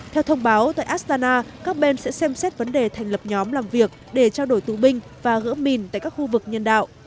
theo thông báo tại astana các bên sẽ xem xét vấn đề thành lập nhóm làm việc để trao đổi tù binh và gỡ mìn tại các khu vực nhân đạo